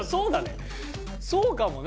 そうかもね。